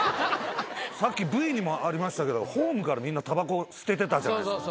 さっきＶＴＲにもありましたけどホームからみんなたばこ捨ててたじゃないですか。